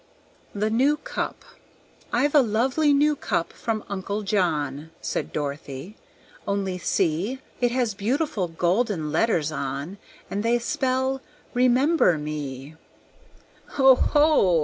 The New Cup "I've a lovely new cup from Uncle John," Said Dorothy; "only see It has beautiful golden letters on, And they spell 'Remember Me.'" "Oho!"